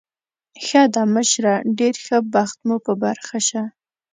ښه ده، مشره، ډېر ښه بخت مو په برخه شه.